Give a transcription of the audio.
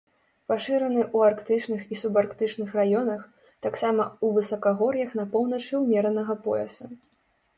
Пашыраны ў арктычных і субарктычных раёнах, таксама ў высакагор'ях на поўначы ўмеранага пояса.